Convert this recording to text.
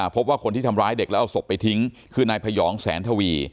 พบว่าคนที่ทำร้ายเด็กแล้วเอาศพไปทิ้งคือนายพยองแสนทวี